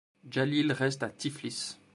Jalil reste à Tiflis.